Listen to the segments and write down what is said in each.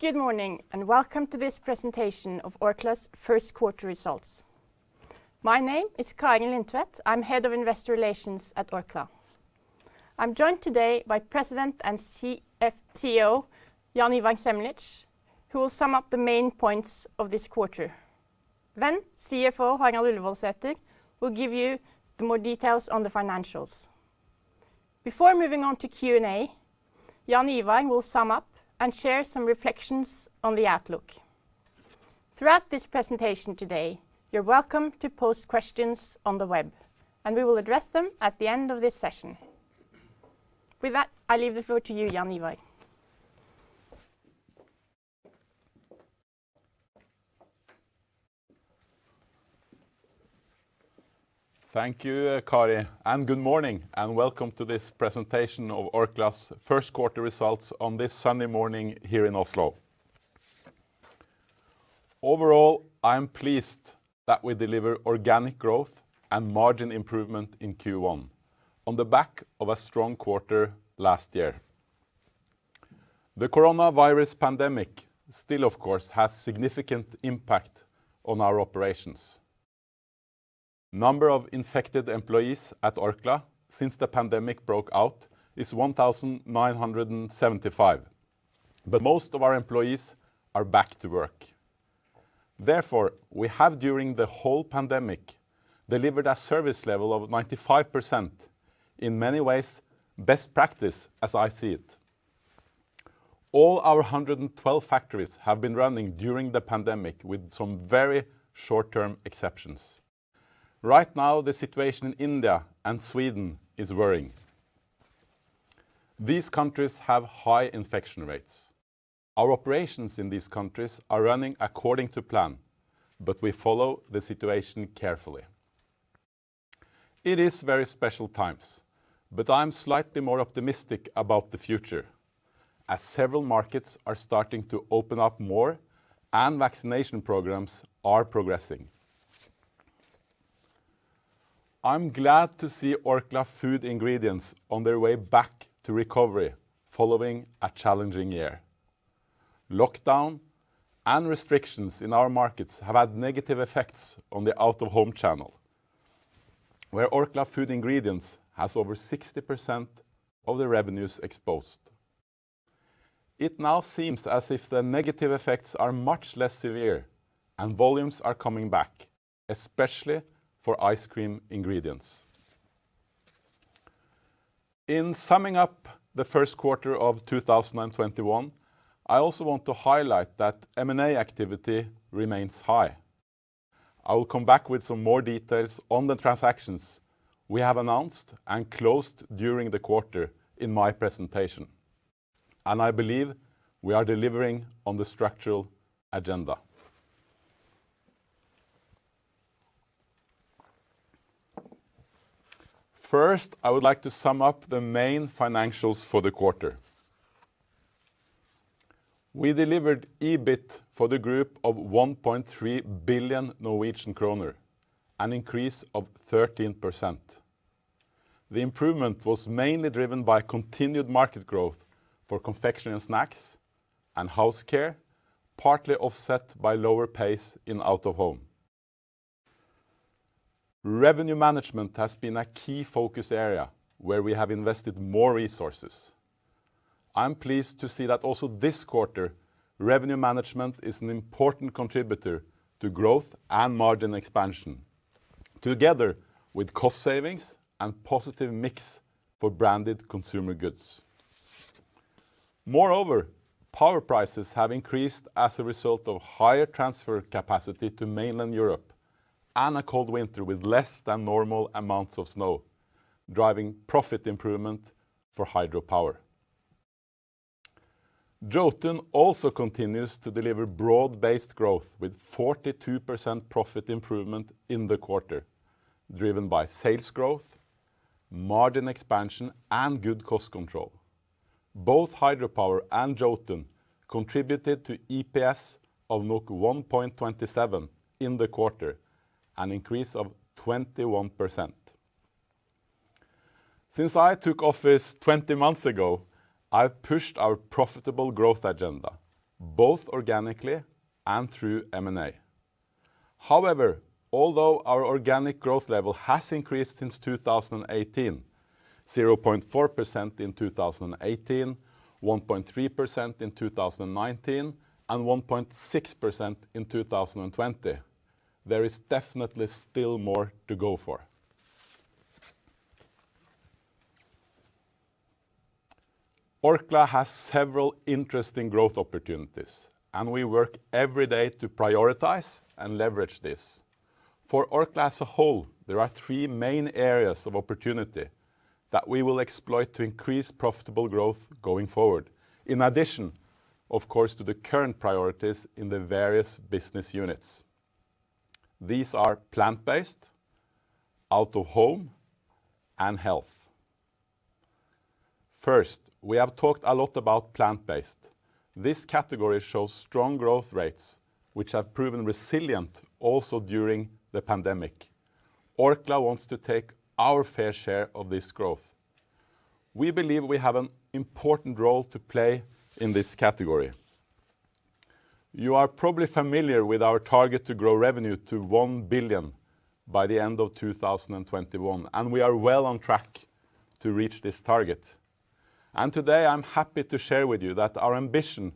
Good morning, welcome to this presentation of Orkla's first quarter results. My name is Kari Lindtvedt. I'm Head of Investor Relations at Orkla. I'm joined today by President and CEO, Jaan Ivar Semlitsch, who will sum up the main points of this quarter. CFO, Harald Ullevoldsæter, will give you the more details on the financials. Before moving on to Q&A, Jaan Ivar will sum up and share some reflections on the outlook. Throughout this presentation today, you're welcome to pose questions on the web, and we will address them at the end of this session. With that, I leave the floor to you, Jaan Ivar. Thank you, Kari. Good morning, and welcome to this presentation of Orkla's first quarter results on this sunny morning here in Oslo. Overall, I am pleased that we deliver organic growth and margin improvement in Q1 on the back of a strong quarter last year. The coronavirus pandemic still, of course, has significant impact on our operations. Number of infected employees at Orkla since the pandemic broke out is 1,975, but most of our employees are back to work. We have, during the whole pandemic, delivered a service level of 95%, in many ways, best practice as I see it. All our 112 factories have been running during the pandemic with some very short-term exceptions. Right now, the situation in India and Sweden is worrying. These countries have high infection rates. Our operations in these countries are running according to plan. We follow the situation carefully. It is very special times. I am slightly more optimistic about the future, as several markets are starting to open up more and vaccination programs are progressing. I'm glad to see Orkla Food Ingredients on their way back to recovery following a challenging year. Lockdown and restrictions in our markets have had negative effects on the out-of-home channel, where Orkla Food Ingredients has over 60% of the revenues exposed. It now seems as if the negative effects are much less severe and volumes are coming back, especially for ice cream ingredients. In summing up the first quarter of 2021, I also want to highlight that M&A activity remains high. I will come back with some more details on the transactions we have announced and closed during the quarter in my presentation, and I believe we are delivering on the structural agenda. First, I would like to sum up the main financials for the quarter. We delivered EBIT for the group of 1.3 billion Norwegian kroner, an increase of 13%. The improvement was mainly driven by continued market growth for Confectionery & Snacks and House Care, partly offset by lower pace in out-of-home. Revenue management has been a key focus area where we have invested more resources. I'm pleased to see that also this quarter, revenue management is an important contributor to growth and margin expansion, together with cost savings and positive mix for Branded Consumer Goods. Moreover, power prices have increased as a result of higher transfer capacity to mainland Europe and a cold winter with less than normal amounts of snow, driving profit improvement for hydropower. Jotun also continues to deliver broad-based growth with 42% profit improvement in the quarter, driven by sales growth, margin expansion, and good cost control. Both hydropower and Jotun contributed to EPS of 1.27 in the quarter, an increase of 21%. Since I took office 20 months ago, I've pushed our profitable growth agenda, both organically and through M&A. However, although our organic growth level has increased since 2018, 0.4% in 2018, 1.3% in 2019, and 1.6% in 2020, there is definitely still more to go for. Orkla has several interesting growth opportunities, and we work every day to prioritize and leverage this. For Orkla as a whole, there are three main areas of opportunity that we will exploit to increase profitable growth going forward, in addition, of course, to the current priorities in the various business units. These are plant-based, out-of-home, and health. We have talked a lot about plant-based. This category shows strong growth rates, which have proven resilient also during the pandemic. Orkla wants to take our fair share of this growth. We believe we have an important role to play in this category. You are probably familiar with our target to grow revenue to 1 billion by the end of 2021. We are well on track to reach this target. Today I'm happy to share with you that our ambition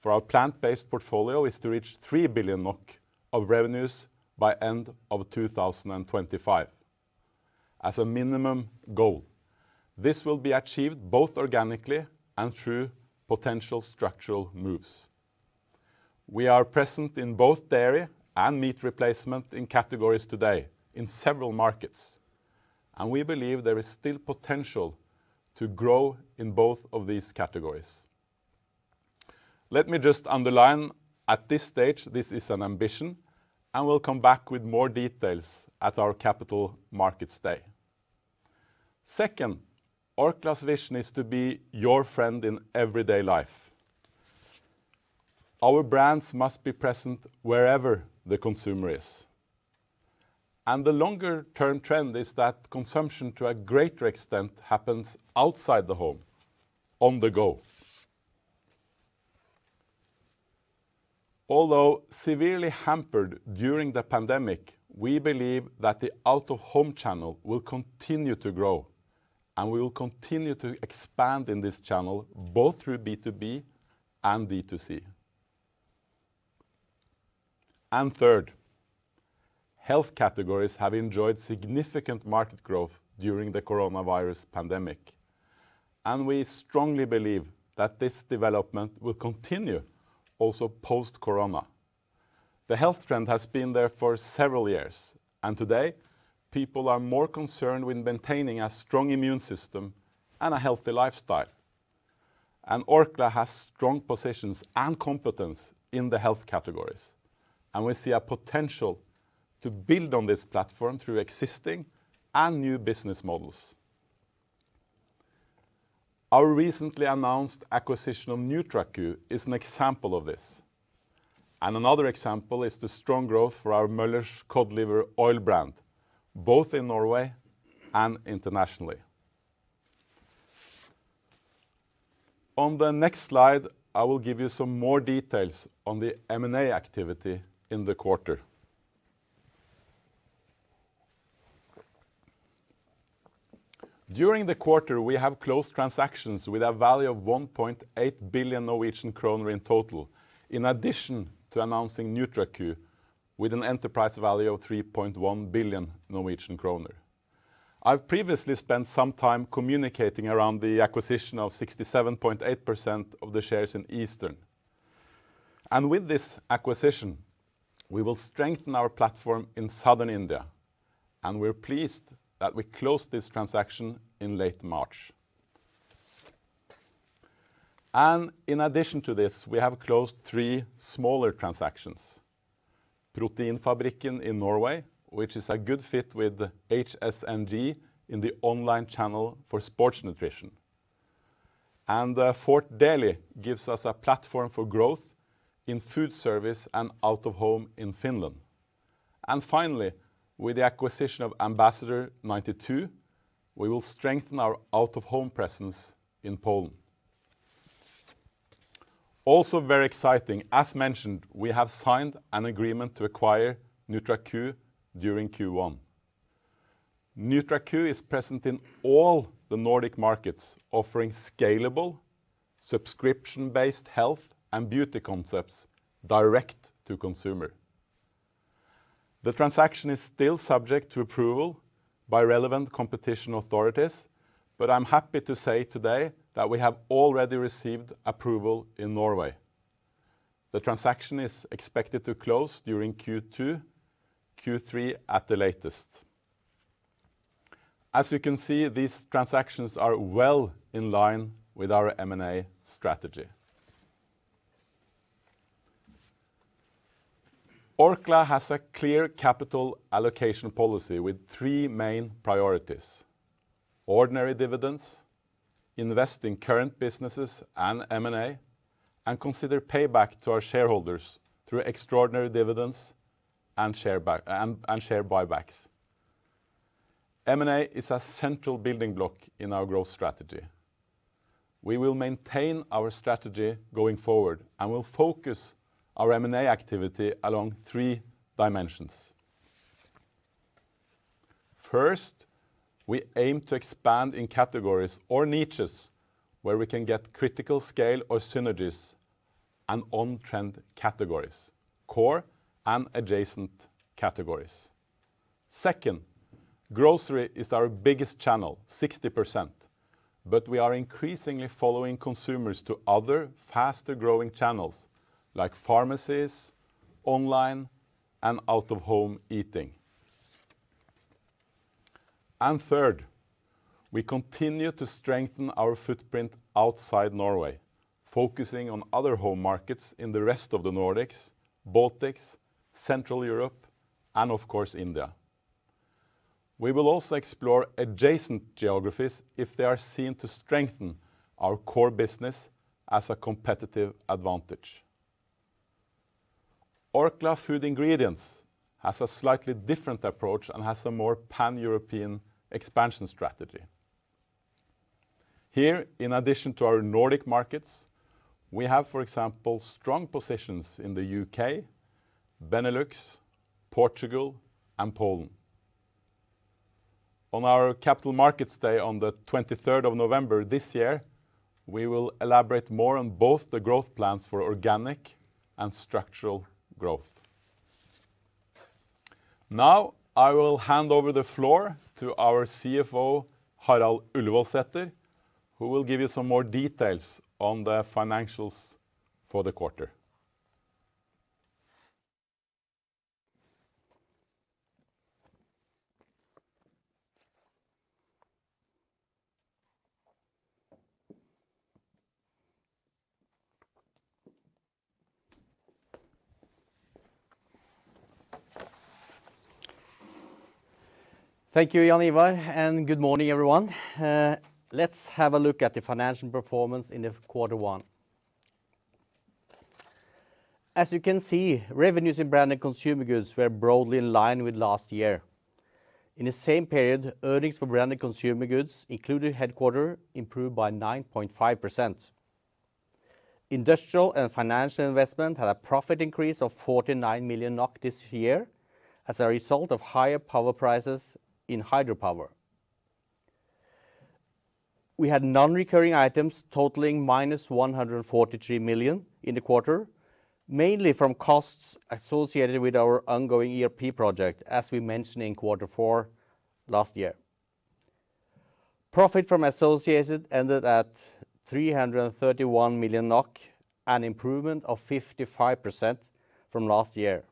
for our plant-based portfolio is to reach 3 billion NOK of revenues by end of 2025 as a minimum goal. This will be achieved both organically and through potential structural moves. We are present in both dairy and meat replacement in categories today in several markets. We believe there is still potential to grow in both of these categories. Let me just underline, at this stage, this is an ambition, and we'll come back with more details at our Capital Markets Day. Second, Orkla's vision is to be your friend in everyday life. The longer-term trend is that consumption, to a greater extent, happens outside the home, on the go. Although severely hampered during the pandemic, we believe that the out-of-home channel will continue to grow, and we will continue to expand in this channel, both through B2B and B2C. Third, health categories have enjoyed significant market growth during the coronavirus pandemic, and we strongly believe that this development will continue also post-corona. The health trend has been there for several years, and today, people are more concerned with maintaining a strong immune system and a healthy lifestyle. Orkla has strong positions and competence in the health categories, and we see a potential to build on this platform through existing and new business models. Our recently announced acquisition of NutraQ is an example of this. Another example is the strong growth for our Möller's cod liver oil brand, both in Norway and internationally. On the next slide, I will give you some more details on the M&A activity in the quarter. During the quarter, we have closed transactions with a value of 1.8 billion Norwegian kroner in total, in addition to announcing NutraQ with an enterprise value of 3.1 billion Norwegian kroner. I've previously spent some time communicating around the acquisition of 67.8% of the shares in Eastern. With this acquisition, we will strengthen our platform in Southern India, and we're pleased that we closed this transaction in late March. In addition to this, we have closed three smaller transactions. Proteinfabrikken in Norway, which is a good fit with HSNG in the online channel for sports nutrition. Fort Deli gives us a platform for growth in food service and out-of-home in Finland. Finally, with the acquisition of Ambasador 92, we will strengthen our out-of-home presence in Poland. Also very exciting, as mentioned, we have signed an agreement to acquire NutraQ during Q1. NutraQ is present in all the Nordic markets, offering scalable, subscription-based health and beauty concepts direct to consumer. The transaction is still subject to approval by relevant competition authorities, but I'm happy to say today that we have already received approval in Norway. The transaction is expected to close during Q2, Q3 at the latest. As you can see, these transactions are well in line with our M&A strategy. Orkla has a clear capital allocation policy with three main priorities: ordinary dividends, invest in current businesses and M&A, and consider payback to our shareholders through extraordinary dividends and share buybacks. M&A is a central building block in our growth strategy. We will maintain our strategy going forward and will focus our M&A activity along three dimensions. First, we aim to expand in categories or niches where we can get critical scale or synergies and on-trend categories, core and adjacent categories. Second, grocery is our biggest channel, 60%, but we are increasingly following consumers to other faster-growing channels like pharmacies, online, and out-of-home eating. Third, we continue to strengthen our footprint outside Norway, focusing on other home markets in the rest of the Nordics, Baltics, Central Europe, and of course, India. We will also explore adjacent geographies if they are seen to strengthen our core business as a competitive advantage. Orkla Food Ingredients has a slightly different approach and has a more pan-European expansion strategy. Here, in addition to our Nordic markets, we have, for example, strong positions in the U.K., Benelux, Portugal, and Poland. On our Capital Markets Day on the 23rd of November this year, we will elaborate more on both the growth plans for organic and structural growth. I will hand over the floor to our CFO, Harald Ullevoldsæter, who will give you some more details on the financials for the quarter. Thank you, Jaan Ivar, good morning, everyone. Let's have a look at the financial performance in the quarter one. As you can see, revenues in Branded Consumer Goods were broadly in line with last year. In the same period, earnings for Branded Consumer Goods, including headquarters, improved by 9.5%. Industrial and financial investment had a profit increase of 49 million NOK this year as a result of higher power prices in hydropower. We had non-recurring items totaling -143 million in the quarter, mainly from costs associated with our ongoing ERP project, as we mentioned in quarter four last year. Profit from associated ended at 331 million NOK, an improvement of 55% from last year.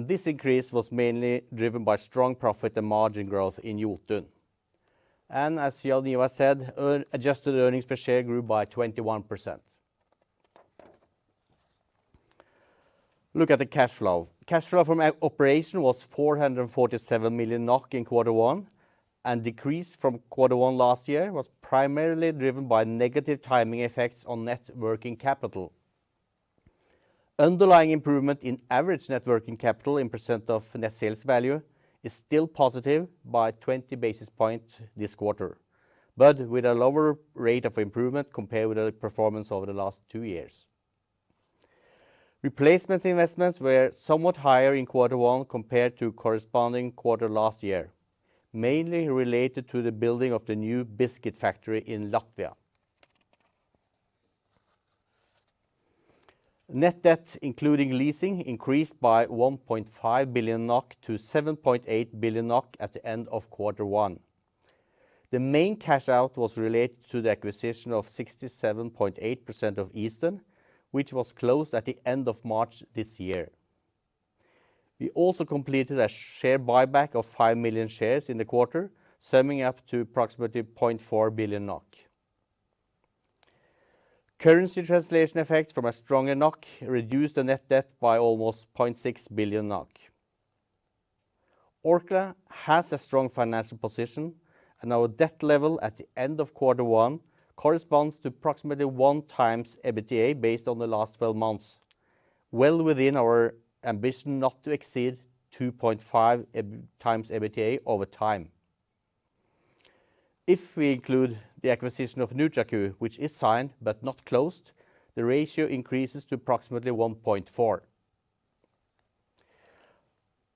This increase was mainly driven by strong profit and margin growth in Jotun. As Jaan Ivar said, adjusted earnings per share grew by 21%. Look at the cash flow. Cash flow from operation was 447 million NOK in quarter one. Decrease from quarter one last year was primarily driven by negative timing effects on net working capital. Underlying improvement in average net working capital in percent of net sales value is still positive by 20 basis points this quarter, but with a lower rate of improvement compared with the performance over the last two years. Replacement investments were somewhat higher in quarter one compared to corresponding quarter last year, mainly related to the building of the new biscuit factory in Latvia. Net debt, including leasing, increased by 1.5 billion NOK to 7.8 billion NOK at the end of quarter one. The main cash out was related to the acquisition of 67.8% of Eastern, which was closed at the end of March this year. We also completed a share buyback of 5 million shares in the quarter, summing up to approximately 0.4 billion NOK. Currency translation effect from a stronger NOK reduced the net debt by almost 0.6 billion NOK. Orkla has a strong financial position, and our debt level at the end of quarter one corresponds to approximately one times EBITDA based on the last 12 months, well within our ambition not to exceed 2.5 times EBITDA over time. If we include the acquisition of NutraQ, which is signed but not closed, the ratio increases to approximately 1.4.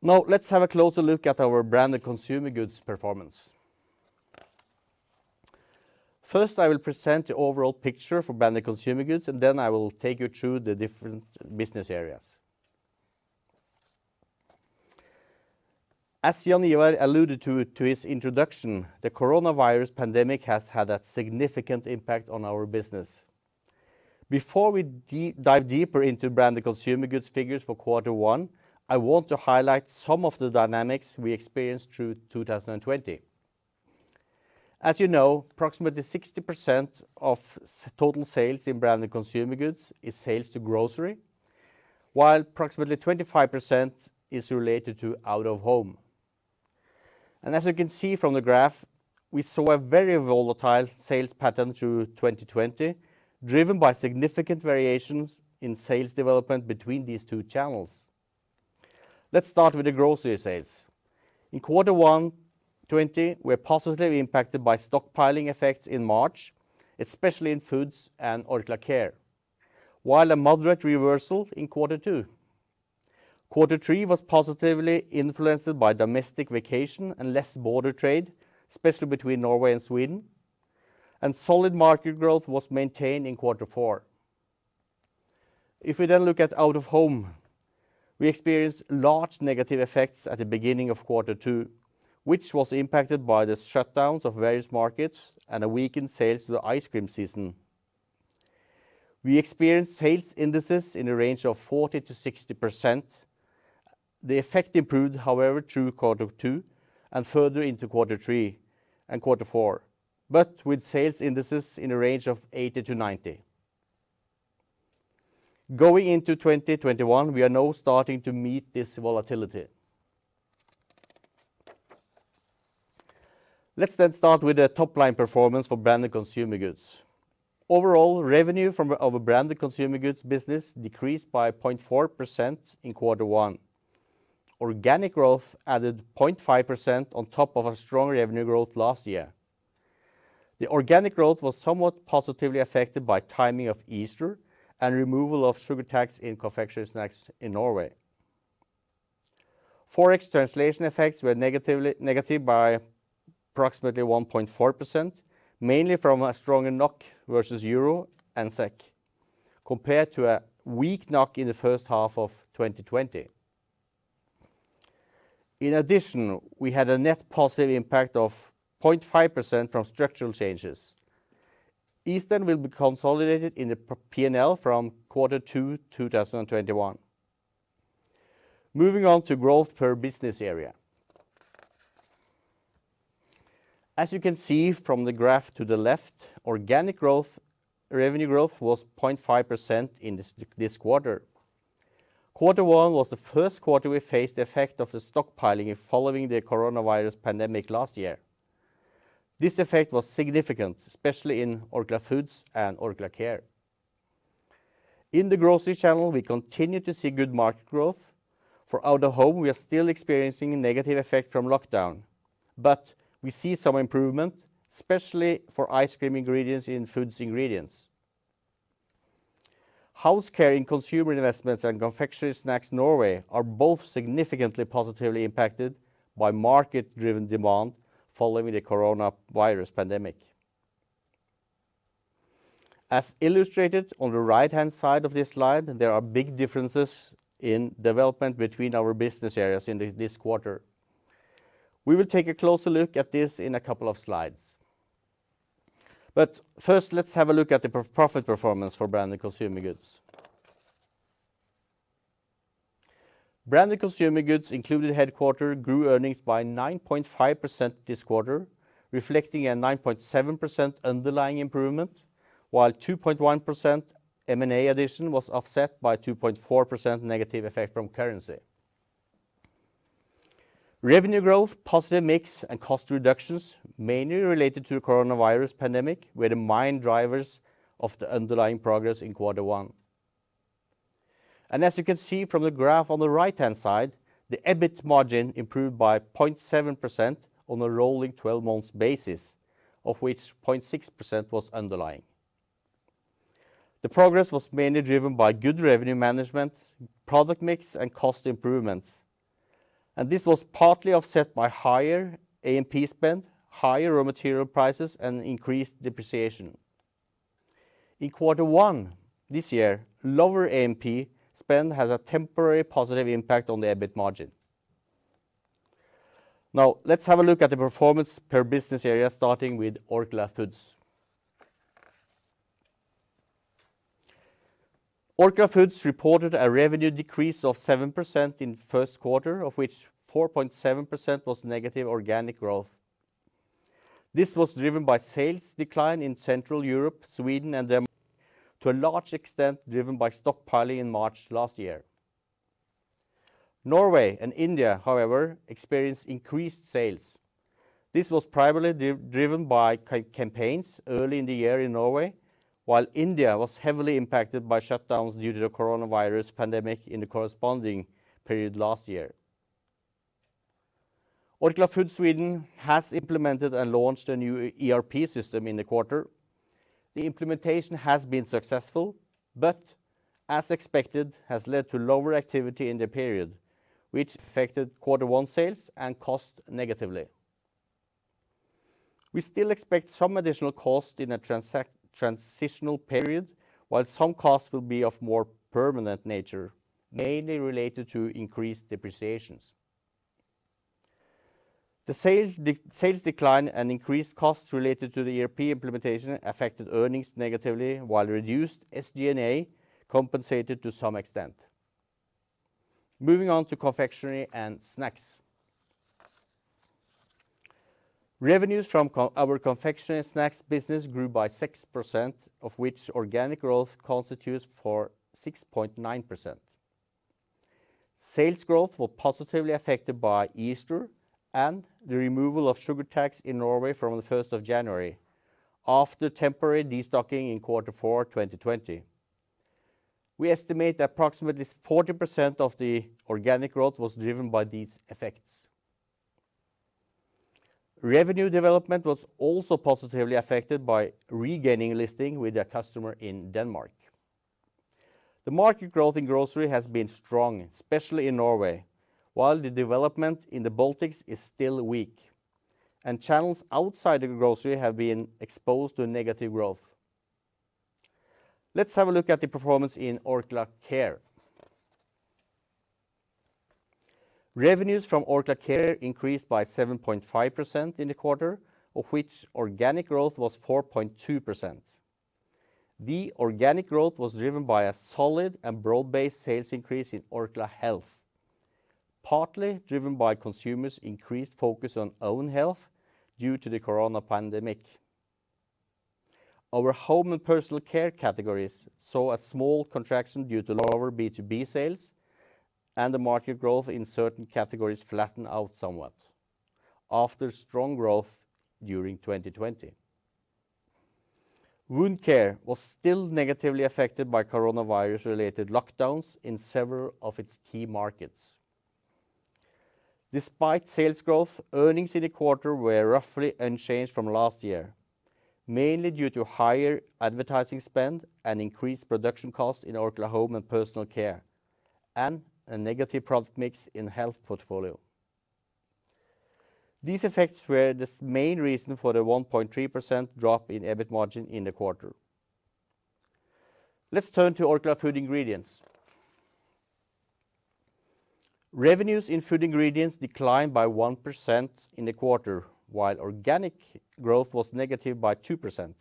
Let's have a closer look at our Branded Consumer Goods performance. First, I will present the overall picture for Branded Consumer Goods. Then I will take you through the different business areas. As Jaan Ivar alluded to in his introduction, the coronavirus pandemic has had a significant impact on our business. Before we dive deeper into Branded Consumer Goods figures for quarter one, I want to highlight some of the dynamics we experienced through 2020. As you know, approximately 60% of total sales in Branded Consumer Goods is sales to grocery, while approximately 25% is related to out-of-home. As you can see from the graph, we saw a very volatile sales pattern through 2020, driven by significant variations in sales development between these two channels. Let's start with the grocery sales. In quarter one 2020, we're positively impacted by stockpiling effects in March, especially in foods and Orkla Care, while a moderate reversal in quarter two. Quarter three was positively influenced by domestic vacation and less border trade, especially between Norway and Sweden, and solid market growth was maintained in quarter four. If we look at out-of-home, we experienced large negative effects at the beginning of quarter two, which was impacted by the shutdowns of various markets and a weakened sales to the ice cream season. We experienced sales indices in the range of 40%-60%. The effect improved, however, through quarter two and further into quarter three and quarter four, with sales indices in the range of 80%-90%. Going into 2021, we are now starting to meet this volatility. Let's start with the top-line performance for Branded Consumer Goods. Overall, revenue from our Branded Consumer Goods business decreased by 0.4% in Q1. Organic growth added 0.5% on top of our strong revenue growth last year. The organic growth was somewhat positively affected by timing of Easter and removal of sugar tax in confectionery snacks in Norway. Forex translation effects were negative by approximately 1.4%, mainly from a stronger NOK versus euro and SEK, compared to a weak NOK in the first half of 2020. We had a net positive impact of 0.5% from structural changes. Eastern will be consolidated in the P&L from Q2 2021. Moving on to growth per business area. As you can see from the graph to the left, organic revenue growth was 0.5% in this quarter. Q1 was the first quarter we faced the effect of the stockpiling following the coronavirus pandemic last year. This effect was significant, especially in Orkla Foods and Orkla Care. In the grocery channel, we continue to see good market growth. For out-of-home, we are still experiencing a negative effect from lockdown, but we see some improvement, especially for ice cream ingredients in Food Ingredients. House Care in consumer investments and Confectionery & Snacks Norway are both significantly positively impacted by market-driven demand following the coronavirus pandemic. As illustrated on the right-hand side of this slide, there are big differences in development between our business areas in this quarter. We will take a closer look at this in a couple of slides. First, let's have a look at the profit performance for Branded Consumer Goods. Branded Consumer Goods, including headquarters, grew earnings by 9.5% this quarter, reflecting a 9.7% underlying improvement, while 2.1% M&A addition was offset by 2.4% negative effect from currency. Revenue growth, positive mix, and cost reductions, mainly related to the coronavirus pandemic, were the main drivers of the underlying progress in Q1. As you can see from the graph on the right-hand side, the EBIT margin improved by 0.7% on a rolling 12 months basis, of which 0.6% was underlying. The progress was mainly driven by good revenue management, product mix, and cost improvements. This was partly offset by higher A&P spend, higher raw material prices, and increased depreciation. In Q1 this year, lower A&P spend has a temporary positive impact on the EBIT margin. Let's have a look at the performance per business area, starting with Orkla Foods. Orkla Foods reported a revenue decrease of 7% in the first quarter, of which 4.7% was negative organic growth. This was driven by sales decline in Central Europe, Sweden, and Denmark, to a large extent driven by stockpiling in March last year. Norway and India, however, experienced increased sales. This was primarily driven by campaigns early in the year in Norway, while India was heavily impacted by shutdowns due to the coronavirus pandemic in the corresponding period last year. Orkla Foods Sweden has implemented and launched a new ERP system in the quarter. The implementation has been successful, as expected, has led to lower activity in the period, which affected Q1 sales and cost negatively. We still expect some additional cost in a transitional period, while some costs will be of more permanent nature, mainly related to increased depreciations. The sales decline and increased costs related to the ERP implementation affected earnings negatively, while reduced SG&A compensated to some extent. Moving on to Confectionery & Snacks. Revenues from our Confectionery & Snacks business grew by 6%, of which organic growth constitutes for 6.9%. Sales growth was positively affected by Easter and the removal of sugar tax in Norway from 1st January after temporary destocking in Q4 2020. We estimate that approximately 40% of the organic growth was driven by these effects. Revenue development was also positively affected by regaining listing with a customer in Denmark. The market growth in grocery has been strong, especially in Norway, while the development in the Baltics is still weak, and channels outside of grocery have been exposed to negative growth. Let's have a look at the performance in Orkla Care. Revenues from Orkla Care increased by 7.5% in the quarter, of which organic growth was 4.2%. The organic growth was driven by a solid and broad-based sales increase in Orkla Health, partly driven by consumers' increased focus on own health due to the corona pandemic. Our home and personal care categories saw a small contraction due to lower B2B sales, and the market growth in certain categories flattened out somewhat after strong growth during 2020. Wound care was still negatively affected by coronavirus-related lockdowns in several of its key markets. Despite sales growth, earnings in the quarter were roughly unchanged from last year, mainly due to higher advertising spend and increased production costs in Orkla Home & Personal Care, and a negative product mix in health portfolio. These effects were the main reason for the 1.3% drop in EBIT margin in the quarter. Let's turn to Orkla Food Ingredients. Revenues in food ingredients declined by 1% in the quarter, while organic growth was negative by 2%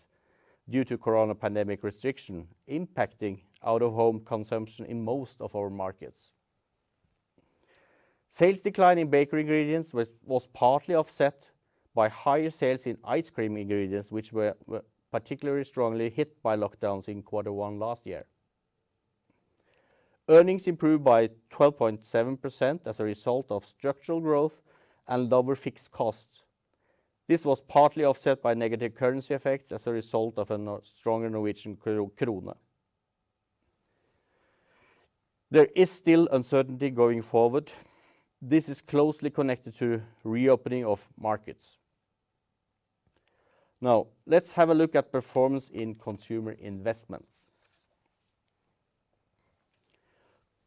due to corona pandemic restriction impacting out-of-home consumption in most of our markets. Sales decline in bakery ingredients was partly offset by higher sales in ice cream ingredients, which were particularly strongly hit by lockdowns in quarter one last year. Earnings improved by 12.7% as a result of structural growth and lower fixed costs. This was partly offset by negative currency effects as a result of a stronger Norwegian krone. There is still uncertainty going forward. This is closely connected to reopening of markets. Let's have a look at performance in consumer investments.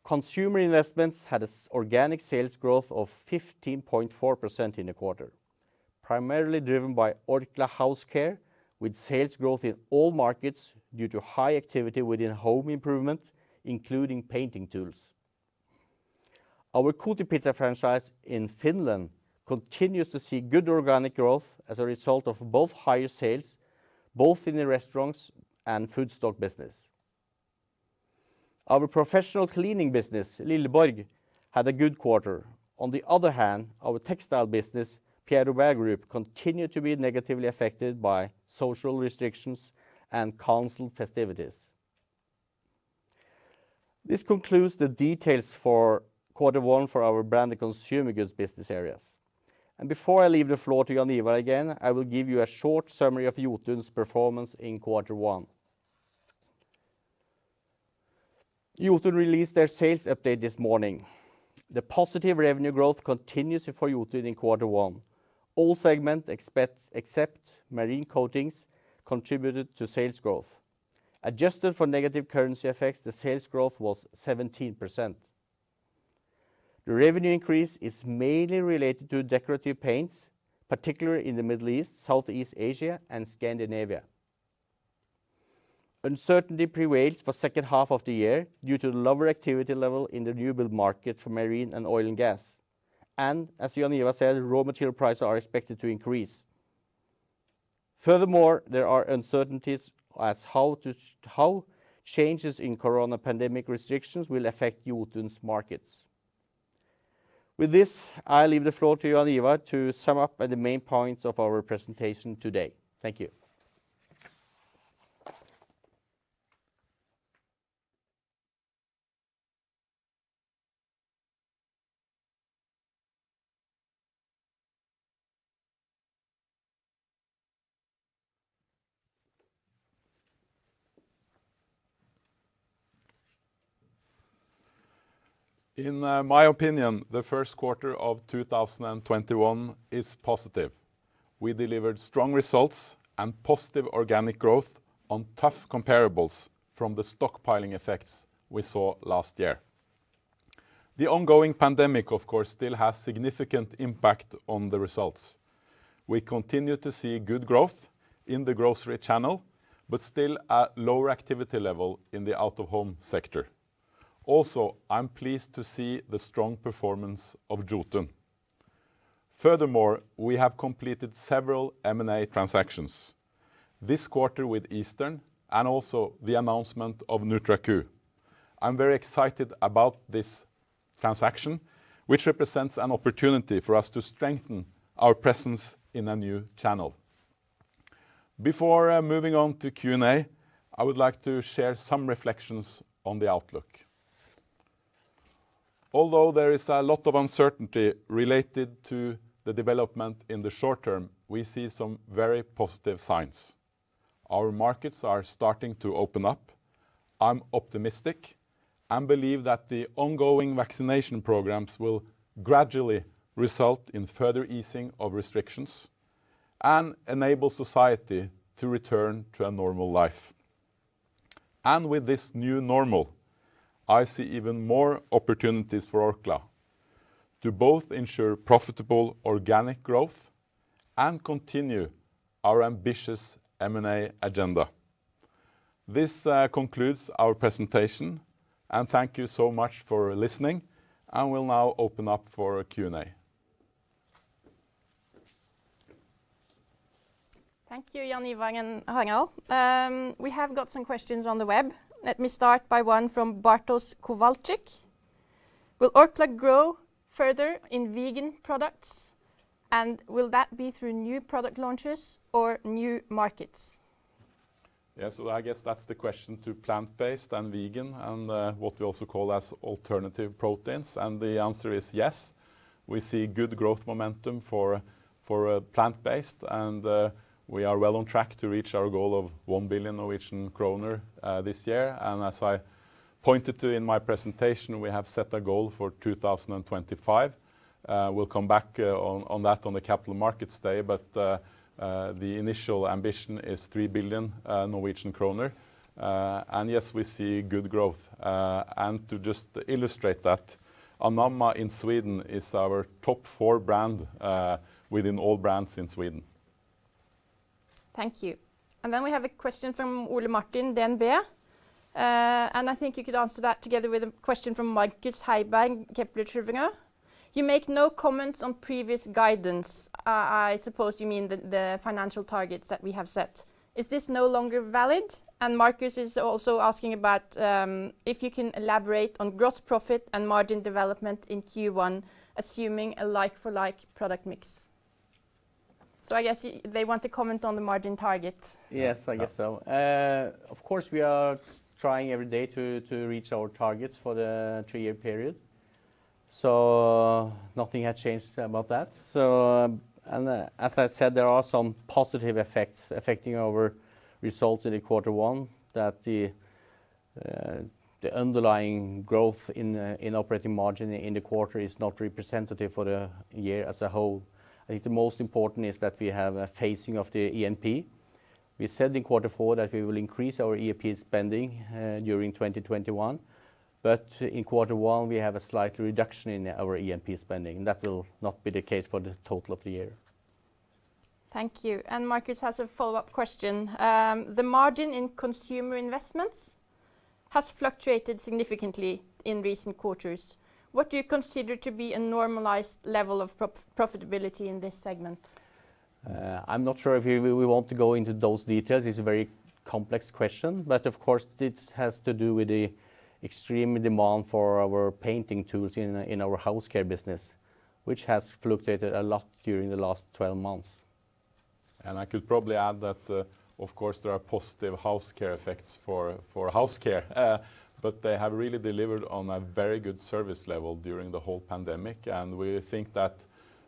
Consumer investments had organic sales growth of 15.4% in the quarter, primarily driven by Orkla House Care, with sales growth in all markets due to high activity within home improvement, including painting tools. Our Kotipizza franchise in Finland continues to see good organic growth as a result of both higher sales, both in the restaurants and Foodstock business. Our professional cleaning business, Lilleborg, had a good quarter. On the other hand, our textile business, Pierre Robert Group, continued to be negatively affected by social restrictions and canceled festivities. This concludes the details for quarter one for our Branded Consumer Goods business areas. Before I leave the floor to Jaan Ivar again, I will give you a short summary of Jotun's performance in quarter one. Jotun released their sales update this morning. The positive revenue growth continues for Jotun in quarter one. All segments except marine coatings contributed to sales growth. Adjusted for negative currency effects, the sales growth was 17%. The revenue increase is mainly related to decorative paints, particularly in the Middle East, Southeast Asia, and Scandinavia. Uncertainty prevails for second half of the year due to lower activity level in the new build market for marine and oil and gas. As Jaan Ivar said, raw material prices are expected to increase. Furthermore, there are uncertainties as how changes in corona pandemic restrictions will affect Jotun's markets. With this, I leave the floor to Jaan Ivar to sum up the main points of our presentation today. Thank you. In my opinion, the first quarter of 2021 is positive. We delivered strong results and positive organic growth on tough comparables from the stockpiling effects we saw last year. The ongoing pandemic, of course, still has significant impact on the results. We continue to see good growth in the grocery channel, but still a lower activity level in the out-of-home sector. I'm pleased to see the strong performance of Jotun. We have completed several M&A transactions, this quarter with Eastern and also the announcement of NutraQ. I'm very excited about this transaction, which represents an opportunity for us to strengthen our presence in a new channel. Before moving on to Q&A, I would like to share some reflections on the outlook. There is a lot of uncertainty related to the development in the short term, we see some very positive signs. Our markets are starting to open up. I'm optimistic and believe that the ongoing vaccination programs will gradually result in further easing of restrictions and enable society to return to a normal life. With this new normal, I see even more opportunities for Orkla to both ensure profitable organic growth and continue our ambitious M&A agenda. This concludes our presentation, and thank you so much for listening, and we'll now open up for Q&A. Thank you, Jaan Ivar and Harald. We have got some questions on the web. Let me start by one from Bartosz Kowalczyk. Will Orkla grow further in vegan products, and will that be through new product launches or new markets? Yes. I guess that's the question to plant-based and vegan, and what we also call as alternative proteins, and the answer is yes. We see good growth momentum for plant-based, and we are well on track to reach our goal of 1 billion Norwegian kroner this year. As I pointed to in my presentation, we have set a goal for 2025. We'll come back on that on the Capital Markets Day. The initial ambition is 3 billion Norwegian kroner. Yes, we see good growth. To just illustrate that, Anamma in Sweden is our top four brand within all brands in Sweden. Thank you. We have a question from Ole Martin, DNB, and I think you could answer that together with a question from Markus Heiberg, Kepler Cheuvreux. You make no comments on previous guidance. I suppose you mean the financial targets that we have set. Is this no longer valid? Markus is also asking about if you can elaborate on gross profit and margin development in Q1, assuming a like-for-like product mix. I guess they want a comment on the margin target. Yes, I guess so. Of course, we are trying every day to reach our targets for the three-year period. Nothing has changed about that. As I said, there are some positive effects affecting our results in the quarter one, that the underlying growth in operating margin in the quarter is not representative for the year as a whole. I think the most important is that we have a phasing of the A&P. We said in quarter four that we will increase our A&P spending during 2021. In quarter one, we have a slight reduction in our A&P spending, and that will not be the case for the total of the year. Thank you. Markus has a follow-up question. The margin in consumer investments has fluctuated significantly in recent quarters. What do you consider to be a normalized level of profitability in this segment? I'm not sure if we want to go into those details. It's a very complex question, but of course, this has to do with the extreme demand for our painting tools in our House Care business, which has fluctuated a lot during the last 12 months. I could probably add that, of course, there are positive HouseCare effects for HouseCare, but they have really delivered on a very good service level during the whole pandemic, and we think that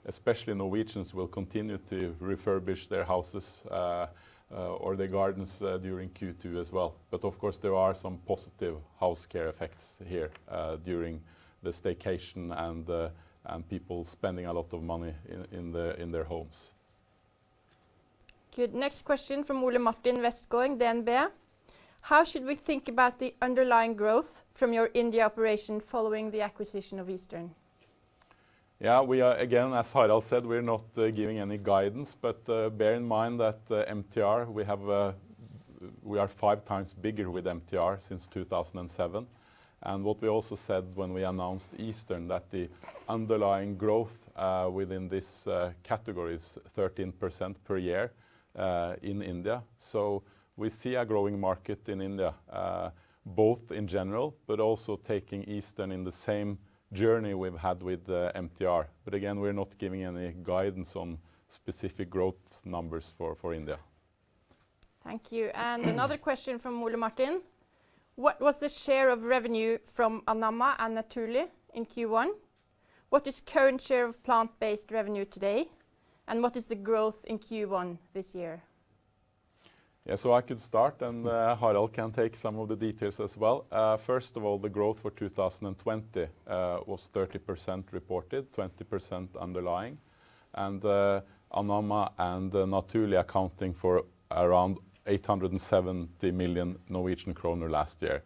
especially Norwegians will continue to refurbish their houses or their gardens during Q2 as well. Of course, there are some positive HouseCare effects here during the staycation and people spending a lot of money in their homes. Good. Next question from Ole Martin Westgaard, DNB. How should we think about the underlying growth from your India operation following the acquisition of Eastern? We are, again, as Harald said, we're not giving any guidance. Bear in mind that MTR, we are five times bigger with MTR since 2007. What we also said when we announced Eastern, that the underlying growth within this category is 13% per year in India. We see a growing market in India, both in general, but also taking Eastern in the same journey we've had with MTR. Again, we're not giving any guidance on specific growth numbers for India. Thank you. Another question from Ole Martin. What was the share of revenue from Anamma and Naturli' in Q1? What is current share of plant-based revenue today, and what is the growth in Q1 this year? I could start, and Harald can take some of the details as well. First of all, the growth for 2020 was 30% reported, 20% underlying, and Anamma and Naturli accounting for around 870 million Norwegian kroner last year.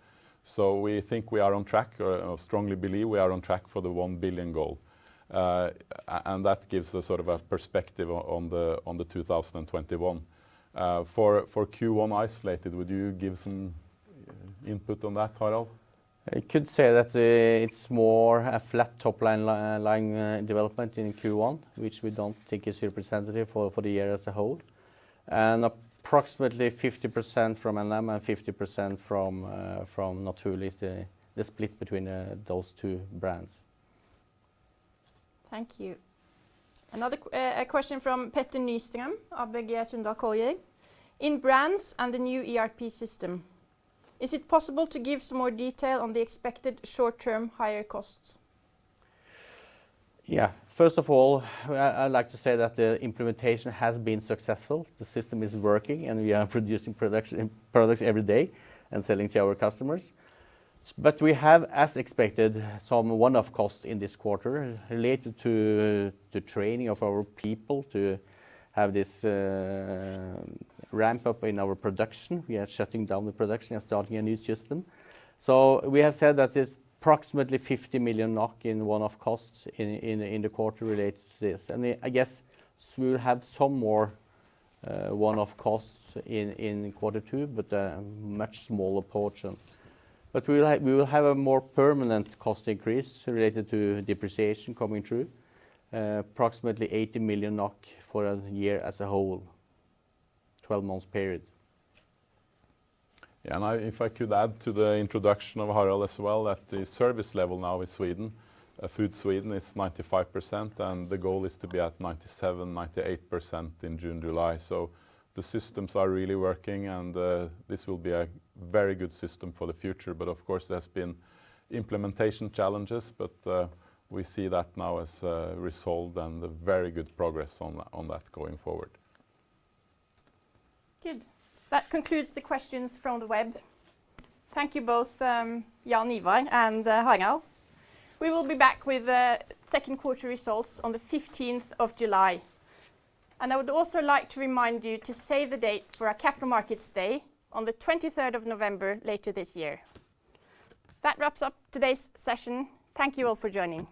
We think we are on track, or strongly believe we are on track for the 1 billion goal. That gives a sort of a perspective on the 2021. For Q1 isolated, would you give some input on that, Harald? I could say that it's more a flat top line development in Q1, which we don't think is representative for the year as a whole. Approximately 50% from Anamma, 50% from Naturli, the split between those two brands. Thank you. A question from Petter Nystrøm of ABG Sundal Collier. In Brands and the new ERP system, is it possible to give some more detail on the expected short-term higher costs? Yeah. First of all, I'd like to say that the implementation has been successful. The system is working, and we are producing products every day and selling to our customers. We have, as expected, some one-off costs in this quarter related to the training of our people to have this ramp-up in our production. We are shutting down the production and starting a new system. We have said that it's approximately 50 million NOK in one-off costs in the quarter related to this, and I guess we will have some more one-off costs in quarter two, but a much smaller portion. We will have a more permanent cost increase related to depreciation coming through, approximately 80 million NOK for a year as a whole, 12 months period. If I could add to the introduction of Harald as well, the service level now in Sweden, Orkla Foods Sweden, is 95%, and the goal is to be at 97%, 98% in June, July. The systems are really working, and this will be a very good system for the future. Of course, there's been implementation challenges, but we see that now as resolved and very good progress on that going forward. Good. That concludes the questions from the web. Thank you both, Jaan Ivar and Harald. We will be back with second-quarter results on the 15th of July, I would also like to remind you to save the date for our Capital Markets Day on the 23rd of November later this year. That wraps up today's session. Thank you all for joining.